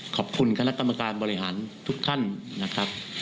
ขอบคุณคณะกรรมการบริหารทุกท่านนะครับ